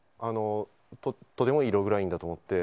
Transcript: とてもいいログラインだと思って。